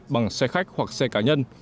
bằng xe khách hoặc xe cá nhân